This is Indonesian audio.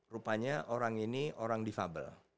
rupanya orang ini orang defable